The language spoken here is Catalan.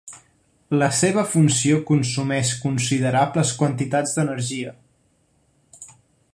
La seva funció consumeix considerables quantitats d'energia.